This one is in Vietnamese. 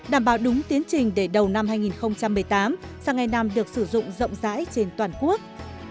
đảm bảo đúng tiến trình để đầu năm hai nghìn một mươi tám sang ngày năm được sử dụng rộng rãi trên toàn quốc